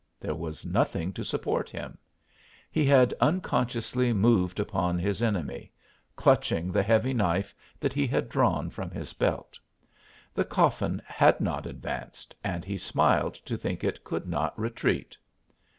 There was nothing to support him; he had unconsciously moved upon his enemy, clutching the heavy knife that he had drawn from his belt. The coffin had not advanced and he smiled to think it could not retreat.